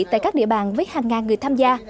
tại các địa bàn với hàng ngàn người tham gia